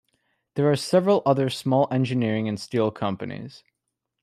There are several other small engineering and steel companies.